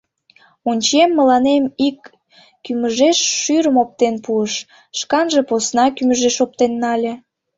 Ончем: мыланем ик кӱмыжеш шӱрым оптен пуыш, шканже посна кӱмыжеш оптен нале.